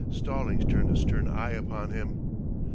Stallings turned a stern eye upon him.